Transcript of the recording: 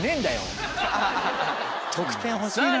得点欲しいな。